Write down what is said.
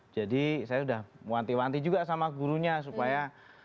jadi saya sudah muanti muanti juga sama gurunya supaya